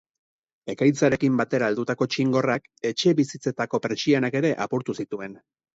Ekaitzarekin batera heldutako txingorrak etxebizitzetako pertsianak ere apurtu zituen.